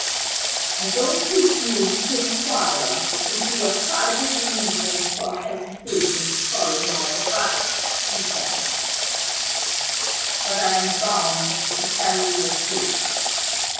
"I don't presume to inquire into your private reasons for hesitating to follow my advice," he said; "but I am bound to tell you the truth.